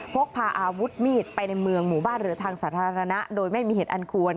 พกพาอาวุธมีดไปในเมืองหมู่บ้านหรือทางสาธารณะโดยไม่มีเหตุอันควร